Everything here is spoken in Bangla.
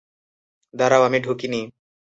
দাঁড়াও, আমি ঢুকিনি।